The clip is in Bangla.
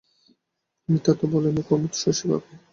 মিথ্যা তো বলে নাই কুমুদ, শশী ভাবে।